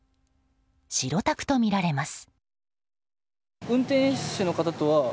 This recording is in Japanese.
白タクとみられます。